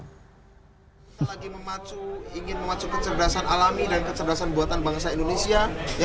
kita lagi memacu ingin memacu kecerdasan alami dan kecerdasan buatan bangsa indonesia